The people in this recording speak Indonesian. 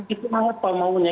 itu banget pemau maunya